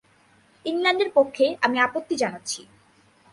ইংল্যান্ডের পক্ষে, আমি আপত্তি জানাচ্ছি।